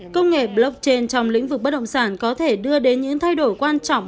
công nghệ blockchain trong lĩnh vực bất động sản có thể đưa đến những thay đổi quan trọng